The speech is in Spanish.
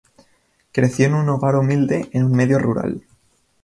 Creció en un hogar humilde, en un medio rural.